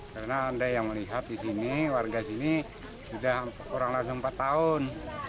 karena ada yang melihat di sini warga sini sudah kurang lebih empat tahun